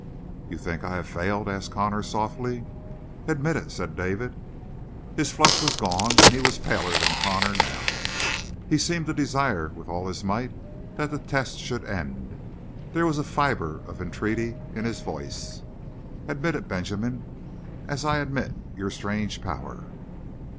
"You think I have failed?" asked Connor softly. "Admit it," said David. His flush was gone and he was paler than Connor now; he seemed to desire with all his might that the test should end; there was a fiber of entreaty in his voice. "Admit it, Benjamin, as I admit your strange power."